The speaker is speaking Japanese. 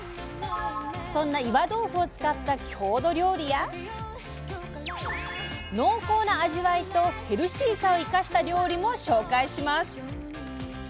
そんな岩豆腐を使った郷土料理や濃厚な味わいとヘルシーさを生かした料理も紹介します。